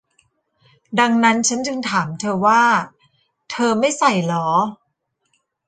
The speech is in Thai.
ดังนั้นฉันจึงถามเธอว่า - เธอไม่ใส่เหรอ ?